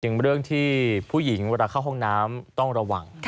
ถึงเรื่องที่ผู้หญิงเวลาเข้าห้องน้ำต้องระวัง